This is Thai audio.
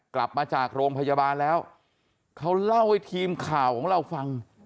กลับมาจากโรงพยาบาลแล้วเขาเล่าให้ทีมข่าวของเราฟัง